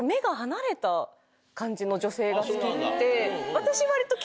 私割と。